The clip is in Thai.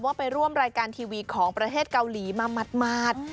ไปร่วมรายการทีวีของประเทศเกาหลีมาหมาด